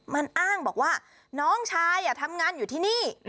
มันอ้างบอกว่าน้องชายทำงานอยู่ที่นี่